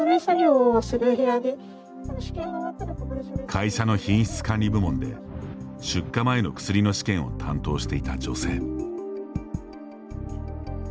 会社の品質管理部門で出荷前の薬の試験を担当していた女性。